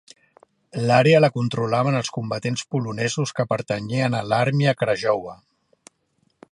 L'àrea la controlaven els combatents polonesos que pertanyien a l'"Armia Krajowa".